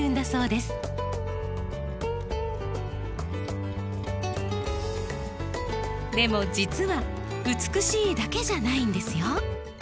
でも実は美しいだけじゃないんですよ。